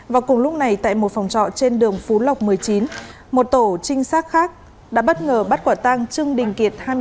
và cùng lúc này tại một phòng trọ trên đường phú lộc một mươi chín một tổ trinh sát khác đã bất ngờ bắt quả tang trương đình kiệt